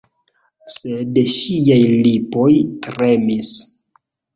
Sed ŝiaj lipoj tremis.